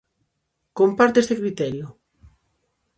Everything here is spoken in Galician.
Comparte este criterio?